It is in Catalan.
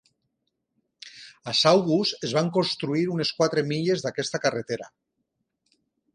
A Saugus es van construir unes quatre milles d'aquesta carretera.